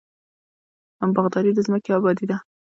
باغداري د ځمکې ابادي ده.